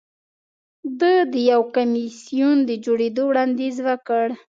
ده د یو کمېسیون د جوړېدو وړاندیز وکړ